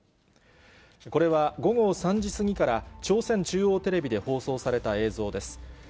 これは午後３時過ぎから、朝鮮中央テレビで放送された映像です。